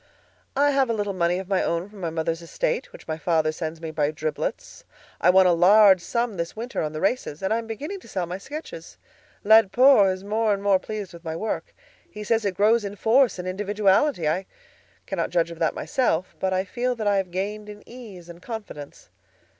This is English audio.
I have a little money of my own from my mother's estate, which my father sends me by driblets. I won a large sum this winter on the races, and I am beginning to sell my sketches. Laidpore is more and more pleased with my work; he says it grows in force and individuality. I cannot judge of that myself, but I feel that I have gained in ease and confidence.